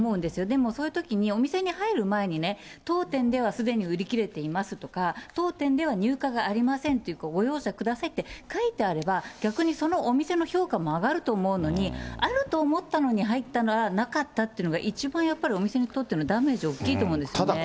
でもそういうときにお店に入る前にね、当店ではすでに売り切れていますとか、当店では入荷がありませんとか、ご容赦くださいって書いてあれば、逆にそのお店の評価も上がると思うのに、あると思ったのに入ったらなかったっていうのが、一番やっぱりお店にとってのダメージ大きいと思うんですね。